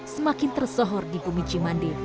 semakin tersohor di bumi cimandi